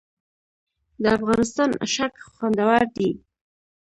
د افغانستان اشک خوندور دي